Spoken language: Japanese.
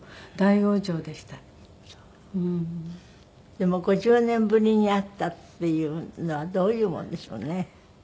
でも５０年ぶりに会ったっていうのはどういうもんでしょうね。